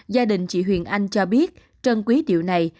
gia đình chị huyền anh cho biết trân quý điệu này